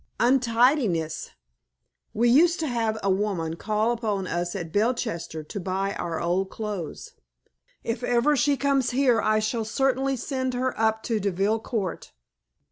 "Untidiness! We used to have a woman call upon us at Belchester to buy our old clothes. If ever she comes here I shall certainly send her up to Deville Court."